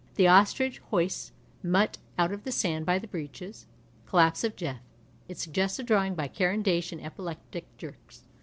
The ostrich hoists Mutt out of the sand by the breeches. Collapse of Jeff. It suggests a drawing by Caran d'Ache in epileptic jerks.